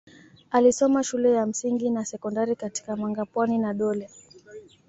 Alisoma shule ya msingi na sekondari katika Mangapwani na Dole